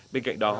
bên cạnh đó